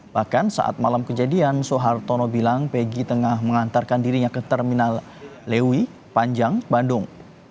bahkan saat malam kejadian soehartono bilang peggy tengah mengantarkan dirinya ke terminal lewi panjang bandung